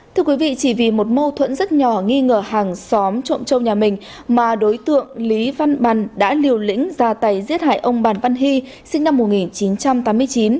thưa quý vị chỉ vì một mâu thuẫn rất nhỏ nghi ngờ hàng xóm trộm châu nhà mình mà đối tượng lý văn bản đã liều lĩnh ra tay giết hại ông bàn văn hy sinh năm một nghìn chín trăm tám mươi chín